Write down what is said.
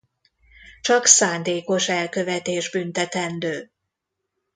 Csak szándékos elkövetés büntetendő.